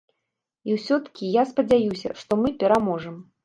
І ўсё-ткі я спадзяюся, што мы пераможам.